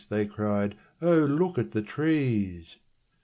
they cried, 'O look at the trees!'